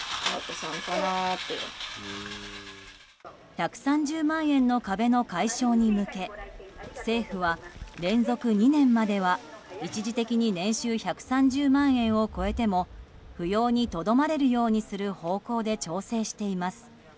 １３０万円の壁の解消に向け政府は連続２年までは一時的に年収１３０万円を超えても扶養にとどまれるようにする方向で調整しています。